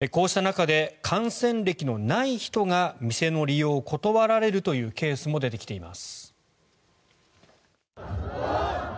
こうした中で感染歴のない人が店の利用を断られるというケースも出てきています。